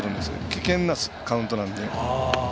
危険なカウントなんで。